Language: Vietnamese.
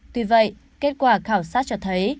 tuy vậy kết quả khảo sát cho thấy